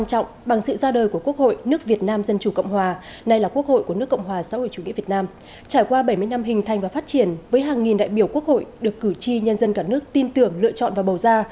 trải qua bảy mươi năm hình thành và phát triển với hàng nghìn đại biểu quốc hội được cử tri nhân dân cả nước tin tưởng lựa chọn và bầu ra